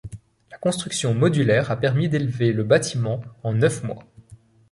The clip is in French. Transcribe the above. La construction modulaire a permis d'élever le bâtiment en neuf mois.